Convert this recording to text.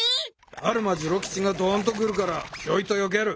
アルマ次郎吉がドンと来るからひょいとよける。